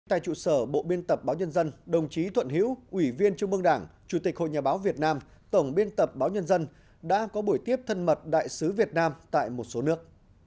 tại trụ sở bộ biên tập báo nhân dân đồng chí thuận hữu ủy viên trung mương đảng chủ tịch hội nhà báo việt nam tổng biên tập báo nhân dân đã có buổi tiếp thân mật đại sứ việt nam tại một số nước